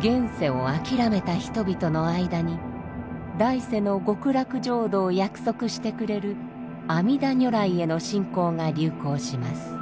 現世を諦めた人々の間に来世の極楽浄土を約束してくれる阿弥陀如来への信仰が流行します。